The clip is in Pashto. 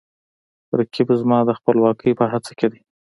رقیب زما د خپلواکۍ په هڅه کې دی